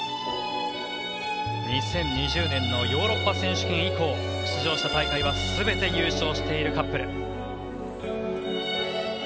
２０２０年のヨーロッパ選手権以降出場した大会は全て優勝しているカップル。